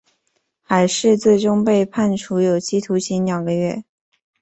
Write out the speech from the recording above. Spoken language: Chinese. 海氏最终被判处有期徒刑两个月。